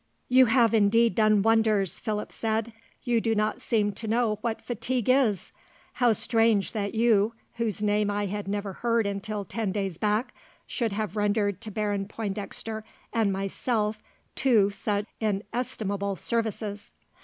"You have indeed done wonders," Philip said. "You do not seem to know what fatigue is. How strange that you, whose name I had never heard until ten days back, should have rendered to Baron Pointdexter and myself two such inestimable services.